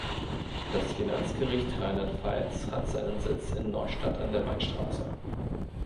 Das Finanzgericht Rheinland-Pfalz hat seinen Sitz in Neustadt an der Weinstraße.